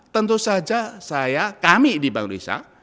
tentu saja saya kami di bank indonesia